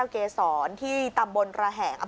สวัสดีครับสวัสดีครับ